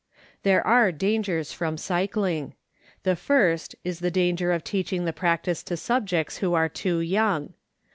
There are dangers from cycling. The first is the danger of teaching the practice to subjects who are too young.